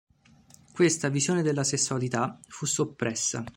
Questa visione della sessualità fu soppressa.